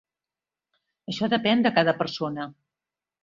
Això depèn de cada persona.